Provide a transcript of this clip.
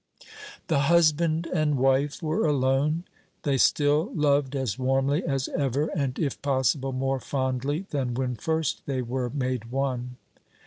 The husband and wife were alone. They still loved as warmly as ever, and, if possible, more fondly than when first they were made one.